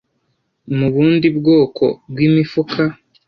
mubundi bwoko bwimifuka